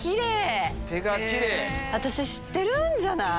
私知ってるんじゃない？